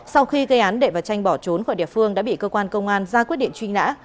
sau khi gây án đệ và tranh bỏ trốn khỏi địa phương đã bị cơ quan công an ra quyết định truy nã